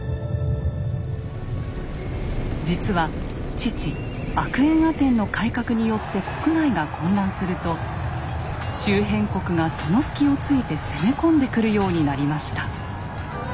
実は父・アクエンアテンの改革によって国内が混乱すると周辺国がその隙をついて攻め込んでくるようになりました。